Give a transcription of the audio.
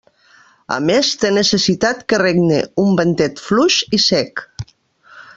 A més té necessitat que regne un ventet fluix i sec.